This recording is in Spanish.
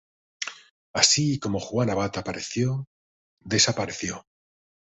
Así como Juan Abad apareció, desapareció.